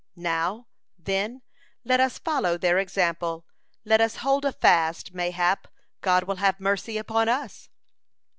Now, then, let us follow their example, let us hold a fast, mayhap God will have mercy upon us."